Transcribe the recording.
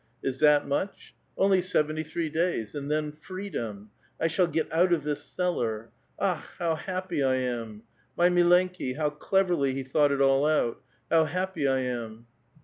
Is that much? Only seventv thi ee asLya^ and then — freedom! I shall get out of this cellar. JiJcJh ! how happy I am! My mlleukU how cleverly he thought it all out ! How happy I am